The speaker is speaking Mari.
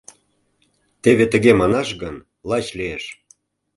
Теве тыге манаш гын, лач лиеш!..